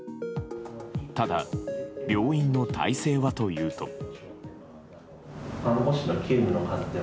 ただ病院の体制はというと。